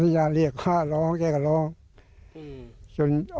สัญญาณก็เรียกร้องแก่กะล้องอื้อ